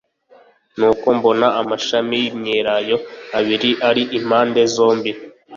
nuko mbona amashami yimyelayo abiri ari impande zombi